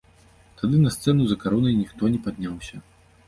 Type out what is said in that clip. Тады на сцэну за каронай ніхто не падняўся.